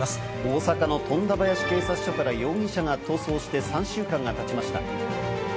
大阪の富田林警察署から容疑者が逃走して３週間がたちました。